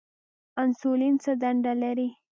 انسولین څه دنده لري؟